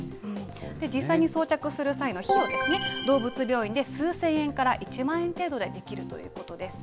実際に装着する際の費用ですね、動物病院で数千円から１万円程度でできるということです。